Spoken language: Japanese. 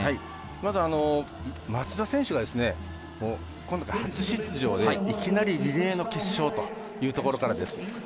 まず松田選手が今大会、初出場でいきなり、リレーの決勝というところからです。